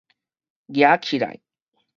夯起來